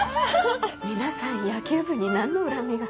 皆さん野球部に何の恨みが。